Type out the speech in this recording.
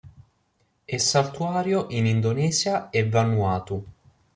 È saltuario in Indonesia e Vanuatu.